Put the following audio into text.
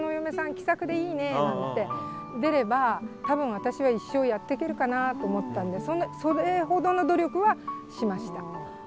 気さくでいいね」なんて出れば多分私は一生やっていけるかなと思ったんでそれほどの努力はしました。